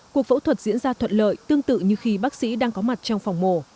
cuộc phẫu thuật diễn ra thuận lợi tương tự như khi bác sĩ đang có mặt trong phòng mổ